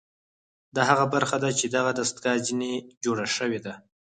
دا هغه برخه ده چې دغه دستګاه ځنې جوړه شوې ده